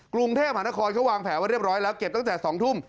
กรุงเทพหานครเขาวางแผลไว้เรียบร้อยแล้วเก็บตั้งแต่๒ทุ่ม